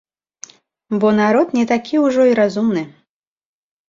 Бо народ не такі ўжо і разумны.